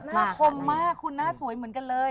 หน้าคมมากหน้าสวยเหมือนกันเลย